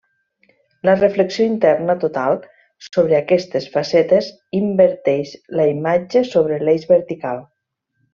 La reflexió interna total sobre aquestes facetes inverteix la imatge sobre l'eix vertical.